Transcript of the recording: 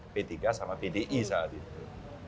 ptk sama pdi saat itu